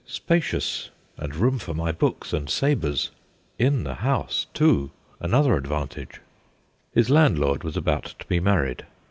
Spacious, and room for my books and sabres. In the house, too, another advantage/ His landlord was about to be married.